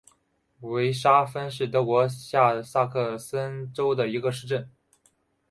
维沙芬是德国下萨克森州的一个市镇。